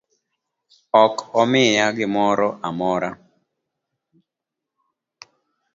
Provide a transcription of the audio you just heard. Ok omiya gimoramora